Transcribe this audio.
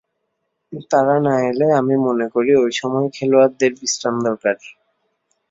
তারা না এলে আমি মনে করি ওই সময় খেলোয়াড়দের বিশ্রাম দরকার।